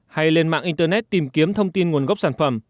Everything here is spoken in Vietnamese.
hay lên mạng internet tìm kiếm thông tin nguồn gốc sản phẩm